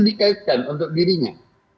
dikaitkan untuk dirinya